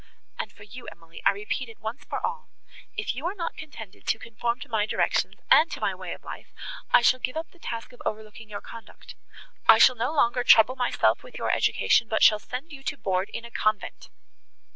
And for you, Emily, I repeat it once for all—if you are not contented to conform to my directions, and to my way of live, I shall give up the task of overlooking your conduct—I shall no longer trouble myself with your education, but shall send you to board in a convent."